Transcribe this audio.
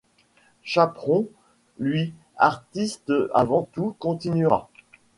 Chapron, lui, artiste avant tout, continuera.